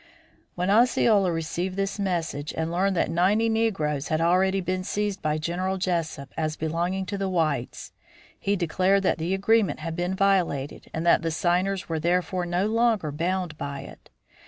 When Osceola received this message and learned that ninety negroes had already been seized by General Jesup as belonging to the whites he declared that the agreement had been violated and that the signers were therefore no longer bound by it.